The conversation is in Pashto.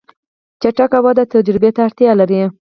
چټک وده تجربه ته اړتیا لري.